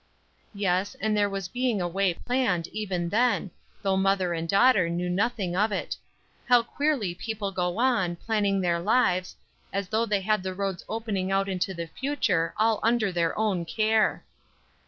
Yes, and there was being a way planned, even then; though mother and daughter knew nothing of it. How queerly people go on, planning their lives, as though they had the roads opening out into the future, all under their own care!